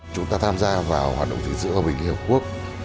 chúng ta tham gia vào hoạt động thí dự hòa bình liên hợp quốc